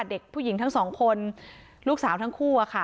เด็กผู้หญิงทั้งสองคนลูกสาวทั้งคู่อะค่ะ